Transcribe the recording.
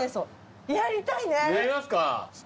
やりますか。